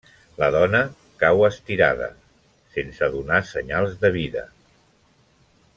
La dona cau estirada, sense donar senyals de vida…